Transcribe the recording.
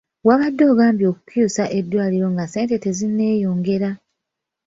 Wabadde ogambye okumukyusa eddwaliro nga ssente tezinneeyongera!